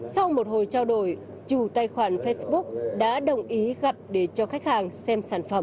sau một hồi trao đổi chủ tài khoản facebook đã đồng ý gặp để cho khách hàng xem sản phẩm